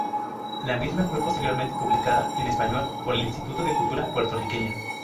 La misma fue posteriormente publicada en español por el Instituto de Cultura Puertorriqueña.